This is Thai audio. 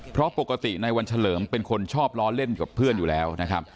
เพราะปกติในวันเฉลิมเป็นคนชอบล้อเล่นกับเพื่อนอยู่แล้วนะครับ